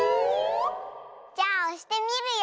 じゃあおしてみるよ！